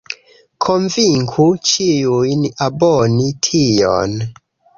Konvinku ĉiujn aboni tion